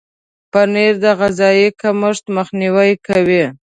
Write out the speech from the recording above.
پنېر د غذایي کمښت مخنیوی کوي.